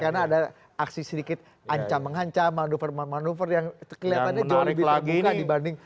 karena ada aksi sedikit ancam mengancam manuver manuver yang kelihatannya jauh lebih terbuka dibanding